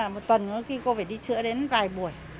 một tuần mỗi khi cô phải đi chữa đến vài buổi